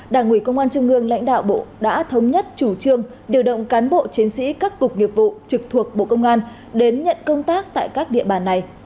đảng ủy công an trung ương lãnh đạo bộ đã thống nhất chủ trương điều động cán bộ chiến sĩ các cục nghiệp vụ trực thuộc bộ công an đến nhận công tác tại các địa bàn này